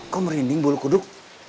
kok merinding bulu kuduk